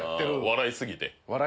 笑い過ぎて。